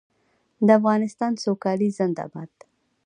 د افغانستان سوکالي زنده باد.